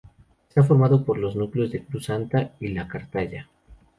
Está formado por los núcleos de Cruz Santa y La Cartaya.